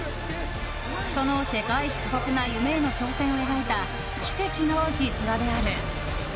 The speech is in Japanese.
その世界一過酷な夢への挑戦を描いた奇跡の実話である。